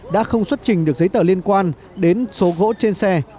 đã không xuất trình được giấy tờ liên quan đến số gỗ trên xe